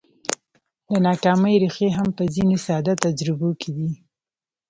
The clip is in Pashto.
د ناکامۍ ريښې هم په ځينو ساده تجربو کې دي.